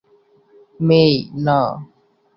মেই, না!